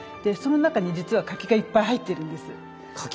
その中に実は柿がいっぱい入ってるんです。